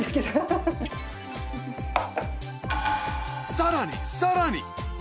さらにさらに！